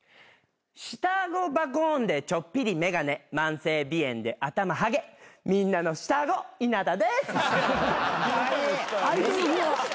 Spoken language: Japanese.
下顎バゴーンでちょっぴり眼鏡慢性鼻炎で頭はげみんなの下顎稲田です。